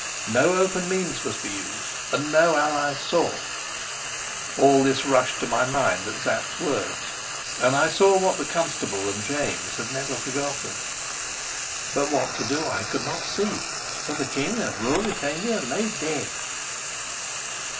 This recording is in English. No open means must be used, and no allies sought. All this rushed to my mind at Sapt's words, and I saw what the constable and James had never forgotten. But what to do I could not see. For the King of Ruritania lay dead.